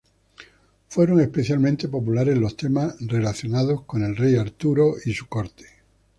Fueron especialmente populares los temas relacionados con el rey Arturo y su corte.